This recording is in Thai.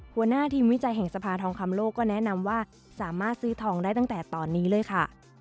หัวหน้าทีมวิจัยแห่งสภาทองคำโลกก็แนะนำว่าสามารถซื้อทองได้ตั้งแต่ตอนนี้เลยค่ะ